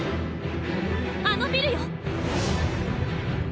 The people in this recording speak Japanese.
あのビルよ！